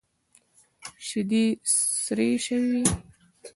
شيدې سرې شوې.